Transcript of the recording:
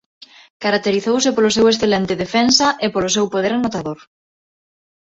Caracterizouse polo seu excelente defensa e polo seu poder anotador.